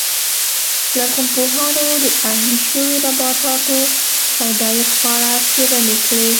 لرغونپوهانو د اهلي شویو نباتاتو پیدایښت په اړه څېړنې کړې